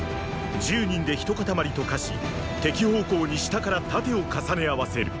十人で“一塊”と化し敵方向に下から盾を重ね合わせる。